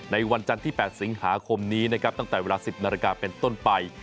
ในวันจันที่๘สิงหาคมนี้ตั้งแต่เวลา๑๐นาฬิกาเป็นต้นไป